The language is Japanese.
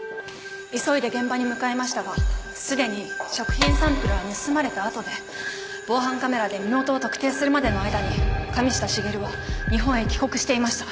急いで現場に向かいましたがすでに食品サンプルは盗まれたあとで防犯カメラで身元を特定するまでの間に神下茂は日本へ帰国していました。